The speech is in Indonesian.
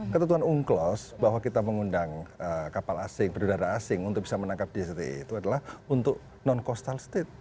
kata tuan ungklos bahwa kita mengundang kapal asing berdudara asing untuk bisa menangkap di sdi itu adalah untuk non costal state